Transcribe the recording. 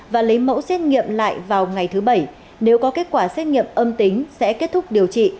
và lấy mẫu xét nghiệm lại vào ngày thứ bảy nếu có kết quả xét nghiệm âm tính sẽ kết thúc điều trị